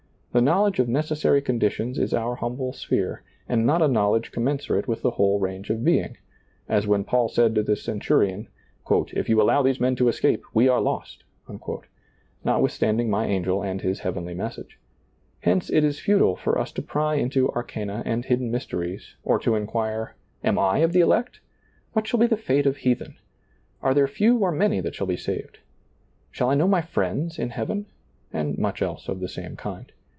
The knowledge of necessary conditions is our humble sphere, and not a knowledge commensurate with the whole range of being, as when Paul said to the centurion, "If you allow these men to escape, we are lost," notwithstanding my angel and his heavenly mes sage. Hence it is futile for us to pry into arcana and hidden mysteries, or to inquire. Am I of the elect? What shall be the fete of heathen? Are there few or many that shall be saved ? Shall I know my friends in Heaven ? and much else of the same kind.